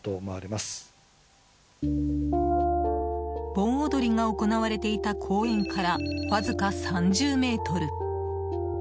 盆踊りが行われていた公園からわずか３０ｍ。